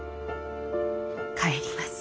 帰ります。